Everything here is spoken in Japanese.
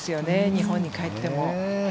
日本に帰っても。